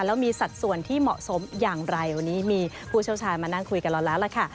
แล้วมีสัดส่วนที่เหมาะสมอย่างไรวันนี้มีผู้เชี่ยวชาญมานั่งคุยกับเราแล้วล่ะค่ะ